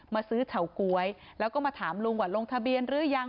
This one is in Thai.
ซื้อเฉาก๊วยแล้วก็มาถามลุงว่าลงทะเบียนหรือยัง